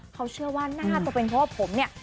เขาเชื่อว่าน่าจะเป็นเพราะว่าผมเนี่ย